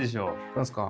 何すか？